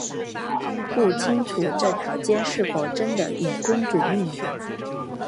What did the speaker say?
不清楚这条街是否真的以公主命名。